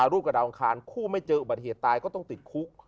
หรือลูกกระดาษขานขู้ไม่เจออุบัติเหตุตายก็ต้องติดคุก